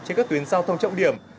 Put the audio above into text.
trên các tuyến giao thông trọng điểm